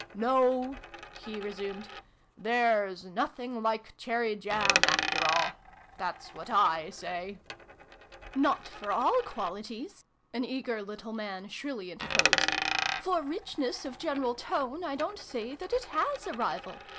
" No," he resumed :" there's nothing like cherry jam, after all. That's what / say !" 150 SYLVIE AND BRUNO CONCLUDED. " Not for all qualities !" an eager little man shrilly interposed. " For richness of general tone I don't say that it has a rival.